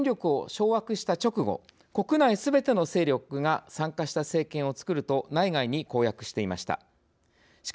タリバンは、権力を掌握した直後国内すべての勢力が参加した政権をつくると内外に公約していました。